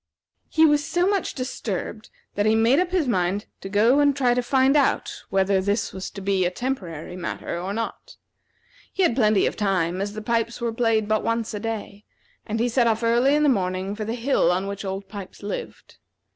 He was so much disturbed that he made up his mind to go and try to find out whether this was to be a temporary matter or not. He had plenty of time, as the pipes were played but once a day, and he set off early in the morning for the hill on which Old Pipes lived.